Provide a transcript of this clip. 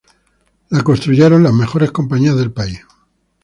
La construyeron las mejores compañías del país.